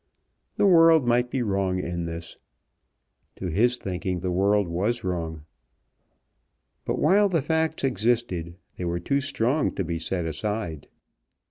The world might be wrong in this. To his thinking the world was wrong. But while the facts existed they were too strong to be set aside.